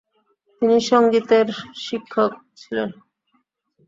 তিনি সঙ্গীতের শিক্ষক ছিলেন।